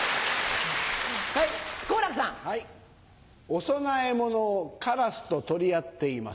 お供え物をカラスと取り合っています。